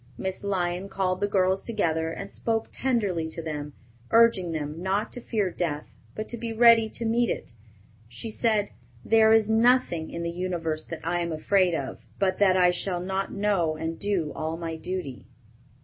Miss Lyon called the girls together and spoke tenderly to them, urging them not to fear death, but to be ready to meet it. She said, "There is nothing in the universe that I am afraid of, but that I shall not know and do all my duty."